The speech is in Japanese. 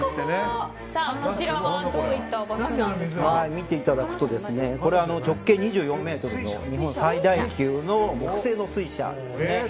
こちらは見ていただくとこれは直径２４ｍの日本最大級の木製の水車ですね。